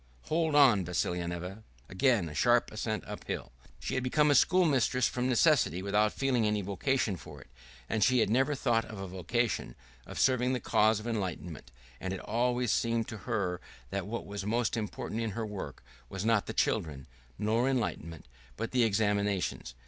"Hold on, Vassilyevna!" Again a sharp ascent uphill.... She had become a schoolmistress from necessity, without feeling any vocation for it; and she had never thought of a vocation, of serving the cause of enlightenment; and it always seemed to her that what was most important in her work was not the children, nor enlightenment, but the examinations.